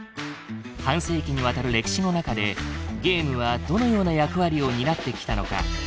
半世紀にわたる歴史の中でゲームはどのような役割を担ってきたのか。